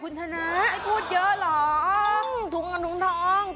คุณฉนะอย่าพูดเยอะเหรอถุงดังหรือถุงทองอือ